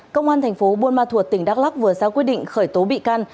công an thành phố buôn ma thuột tỉnh đắk lắc vừa ra quyết định khởi tố bị can